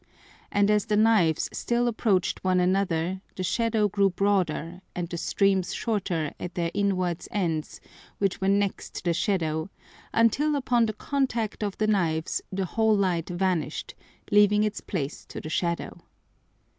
And as the Knives still approach'd one another the Shadow grew broader, and the streams shorter at their inward ends which were next the Shadow, until upon the contact of the Knives the whole Light vanish'd, leaving its place to the Shadow.